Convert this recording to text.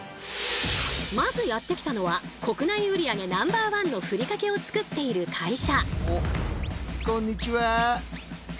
まずやって来たのは国内売り上げＮｏ．１のふりかけを作っている会社。